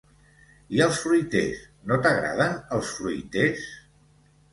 I els fruiters? No t'agraden els fruiters?